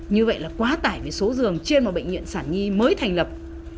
như vậy là quá tải về số giường trên một bệnh viện sản nhi mới thành lập